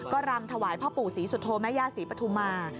ก็รำถวายพ่อปู่ศรีสุโธแม่ย่าศรีปฐุมา